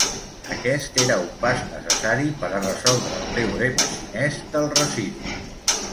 Aquest era un pas necessari per a resoldre el teorema xinès del residu.